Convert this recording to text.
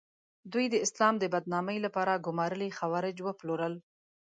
دوی د اسلام د بدنامۍ لپاره ګومارلي خوارج وپلورل.